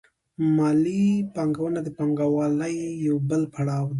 مالي پانګه د پانګوالۍ یو بل پړاو دی